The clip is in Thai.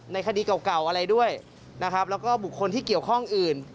คดีเก่าอะไรด้วยนะครับแล้วก็บุคคลที่เกี่ยวข้องอื่น